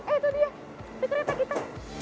eh itu dia di kereta kita